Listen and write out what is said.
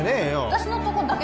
私のとこだけ